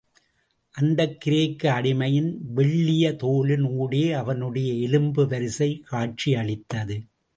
அந்தக் கிரேக்க அடிமையின் வெள்ளிய தோலின் ஊடே அவனுடைய எலும்பு வரிசை காட்சியளித்தது.